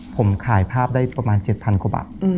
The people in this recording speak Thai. ผมถ่ายภาพได้ประมาณ๗๐๐กว่าบาท